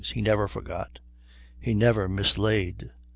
He never forgot. He never mislaid.